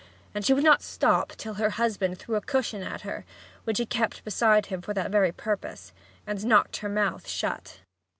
and she would not stop till her husband threw a cushion at her (which he kept beside him for that very purpose) and knocked her mouth shut.